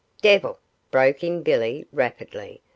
'Devil,' broke in Billy, rapidly.